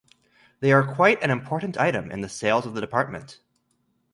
They are quite an important item in the sales of the department.